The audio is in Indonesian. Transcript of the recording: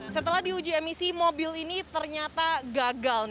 setelah diuji emisi mobil ini ternyata gagal